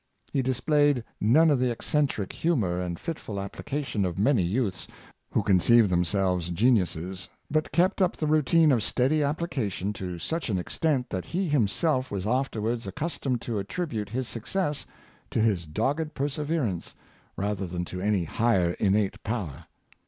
He displayed none of the eccentric humor and fitful appli cation of many youths who conceive themselves geniu ses, but kept up the routine of steady application to such an extent that he himself was afterwards accus tomed to attribute his success to his dogged persever ance rather than to any higher innate power.